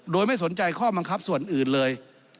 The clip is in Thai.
โดยไม่สนใจข้อบังคับส่วนอื่นเลย